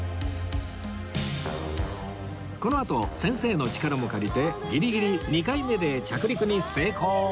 このあと先生の力も借りてギリギリ２回目で着陸に成功